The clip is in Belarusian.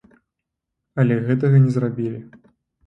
Але гэтага не зрабілі.